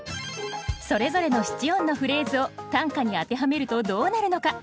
それぞれの七音のフレーズを短歌に当てはめるとどうなるのか。